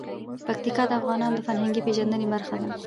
پکتیکا د افغانانو د فرهنګي پیژندنې برخه ده.